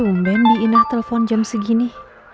tumben bi indah telepon jam segini